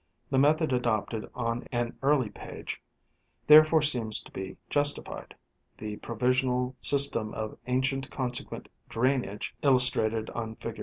The method adopted on an early page therefore seems to be justified. The provisional system of ancient consequent drainage, illustrated on fig.